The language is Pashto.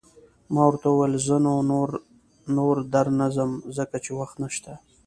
ما ورته وویل: زه نو، نور در نه ځم، ځکه چې وخت نشته.